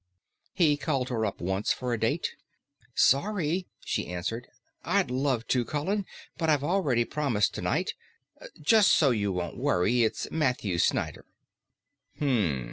He called her up once for a date. "Sorry," she answered. "I'd love to, Colin, but I've already promised tonight. Just so you won't worry, it's Matthew Snyder."